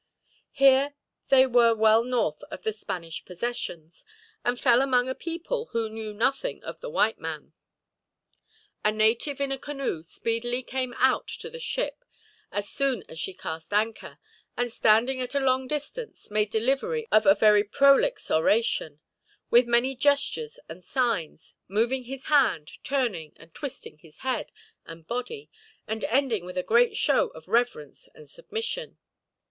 Here they were well north of the Spanish possessions, and fell among a people who knew nothing of the white man. A native in a canoe speedily came out to the ship, as soon as she cast anchor; and, standing at a long distance, made delivery of a very prolix oration, with many gestures and signs, moving his hand, turning and twisting his head and body, and ending with a great show of reverence and submission.